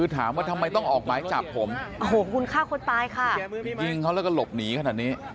แต่พอมันได้ตังค์มันทิ้งผมแม่